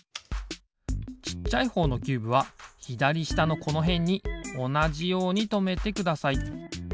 ちっちゃいほうのキューブはひだりしたのこのへんにおなじようにとめてください。